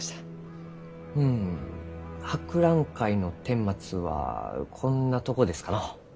うん博覧会のてんまつはこんなとこですかのう。